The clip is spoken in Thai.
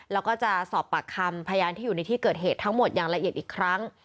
แล้วก็จะสอบปากคำพยานที่อยู่ในที่เกิดเหตุทั้งหมดอย่างละเอียดอีกครั้ง